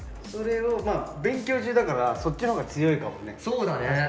それをまあ勉強中だからそっちのほうが強いかもね。